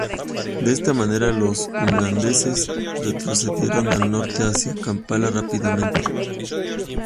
De esta manera, los ugandeses retrocedieron al norte hacia Kampala rápidamente.